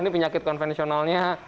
ini penyakit konvensionalnya